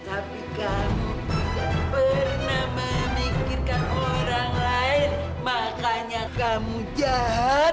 tapi kamu tidak pernah memikirkan orang lain makanya kamu jahat